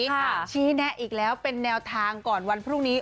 ชี้แนะอีกแล้วเป็นแนวทางก่อนวันพรุ่งนี้